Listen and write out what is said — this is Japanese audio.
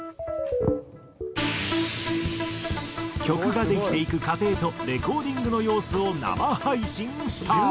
曲ができていく過程とレコーディングの様子を生配信した。